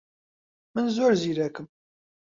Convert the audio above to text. من زۆر زیرەکم.